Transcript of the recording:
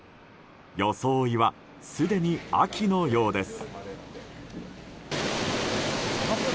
装いは、すでに秋のようです。